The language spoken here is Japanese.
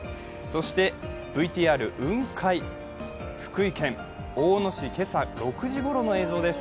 ＶＴＲ、雲海、福井県大野市、今朝６時ごろの映像です。